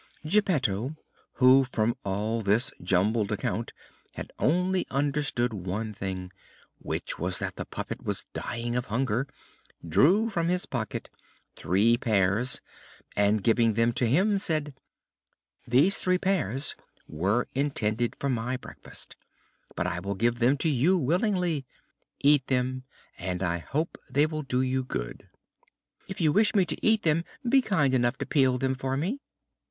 Geppetto, who from all this jumbled account had only understood one thing, which was that the puppet was dying of hunger, drew from his pocket three pears and, giving them to him, said: "These three pears were intended for my breakfast, but I will give them to you willingly. Eat them, and I hope they will do you good." "If you wish me to eat them, be kind enough to peel them for me."